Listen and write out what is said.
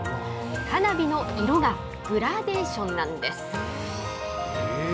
花火の色がグラデーションなんです。